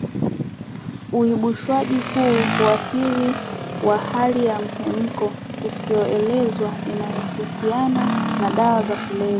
Uibushwaji huu huathiri wa hali ya mhemko usioelekezwa inayohusiana na dawa za kulevya